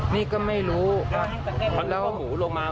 นี่ก็ไม่รู้